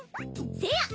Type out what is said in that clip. せや。